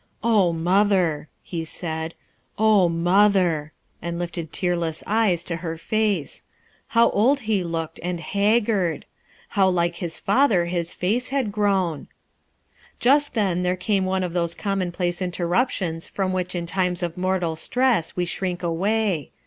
« mother!" he «L «0 mother r and lifted tearless ^ J 7 f !r f ®°* ow hc .^,,; ar : How like to his father his face had grown? ' Just then there came one of those common place interruptions from which in times of mortal stress we shrink away.